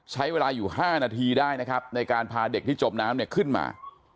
ใช้เวลาอยู่๕นาทีได้นะครับในการพาเด็กที่จมน้ำเนี่ยขึ้นมา